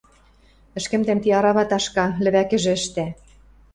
Ӹшкӹмдӓм ти арава ташка, лӹвӓкӹжӹ ӹштӓ.